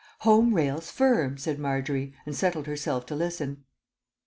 "'Home Rails Firm,'" said Margery, and settled herself to listen.